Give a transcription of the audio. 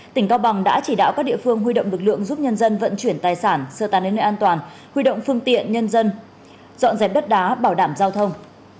tỉnh cao bằng đã chỉ đạo các địa phương huy động lực lượng giúp nhân dân vận chuyển tài sản sơ tán đến nơi an toàn huy động phương tiện nhân dân dọn dẹp đất đá bảo đảm giao thông